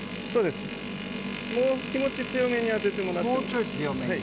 気持ち強めに当ててもらって。